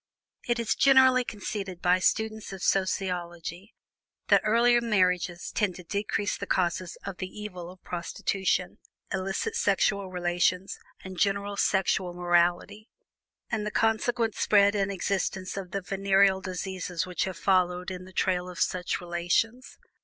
It is generally conceded by students of sociology that earlier marriages tend to decrease the causes of the evil of prostitution, illicit sexual relations, and general sexual morality; and the consequent spread and existence of the venereal diseases which have followed in the trail of such relations.